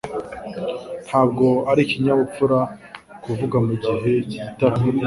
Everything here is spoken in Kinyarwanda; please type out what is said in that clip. Ntabwo ari ikinyabupfura kuvuga mugihe cy'igitaramo.